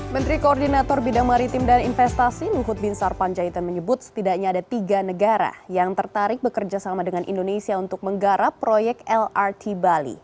menteri koordinator bidang maritim dan investasi luhut bin sarpanjaitan menyebut setidaknya ada tiga negara yang tertarik bekerja sama dengan indonesia untuk menggarap proyek lrt bali